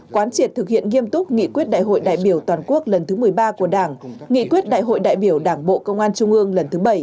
quán triệt thực hiện nghiêm túc nghị quyết đại hội đại biểu toàn quốc lần thứ một mươi ba của đảng nghị quyết đại hội đại biểu đảng bộ công an trung ương lần thứ bảy